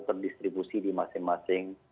pendistribusi di masing masing